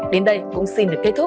đến đây cũng xin được kết thúc